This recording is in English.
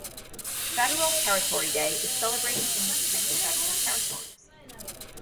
Federal Territory day is celebrated in the three Federal territories.